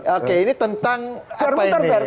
oke ini tentang apa yang